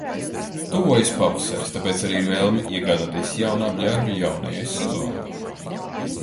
Tuvojas pavasaris, tāpēc arī ir vēlme iegādāties jaunu apģērbu jaunajai sezonai.